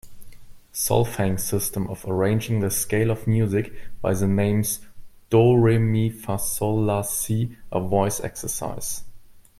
Solfaing system of arranging the scale of music by the names do, re, mi, fa, sol, la, si a voice exercise.